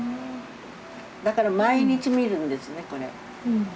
だから毎日見るんですねこれ。